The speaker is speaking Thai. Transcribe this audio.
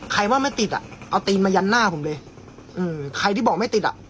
ว่าไม่ติดอ่ะเอาตีนมายันหน้าผมเลยเออใครที่บอกไม่ติดอ่ะ